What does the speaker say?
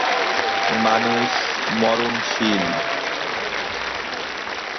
যা তাদের শরীর থেকে ঝুলে থাকে।